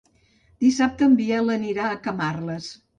Dissabte en Biel anirà a Camarles.